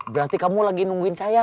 berarti kamu lagi nungguin saya